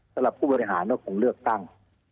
สำหรับผู้บริหารก็คงเลือกตั้ง